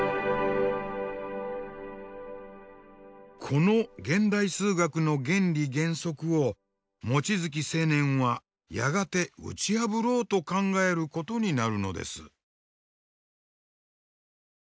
この現代数学の原理原則を望月青年はやがて打ち破ろうと考えることになるのです。